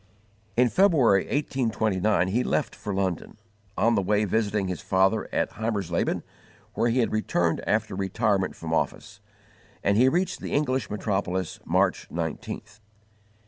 In February, 1829, he left for London, on the way visiting his father at Heimersleben, where he had returned after retirement from office; and he reached the English metropolis March 19th.